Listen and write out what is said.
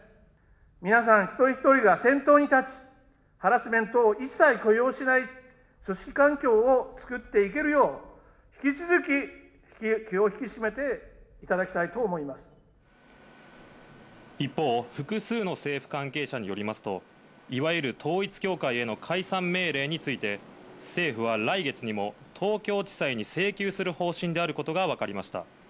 皆さん一人一人が先頭に立つ、ハラスメントを一切許容しない組織環境を作っていけるよう、引き続き、気を引き締めていただ一方、複数の政府関係者によりますと、いわゆる統一教会への解散命令について、政府は来月にも東京地裁に請求する方針であることが分かりました。